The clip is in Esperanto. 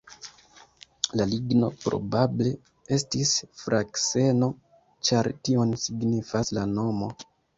La ligno probable estis frakseno, ĉar tion signifas la nomo.